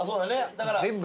だから。